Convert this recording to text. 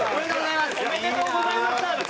おめでとうございます！